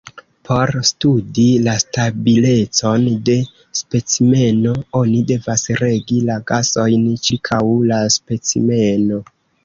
Por studi la stabilecon de specimeno oni devas regi la gasojn ĉirkaŭ la specimeno.